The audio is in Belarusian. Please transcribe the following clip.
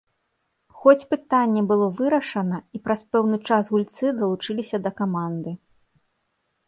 Хоць пытанне было вырашана, і праз пэўны час гульцы далучыліся да каманды.